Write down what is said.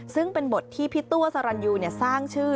ซึ่งเป็นบทที่พี่ตัวสรรยูสร้างชื่อ